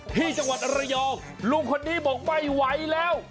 ที่จังหวัดระยองลุงคนนี้บอกไม่ไหวแล้ว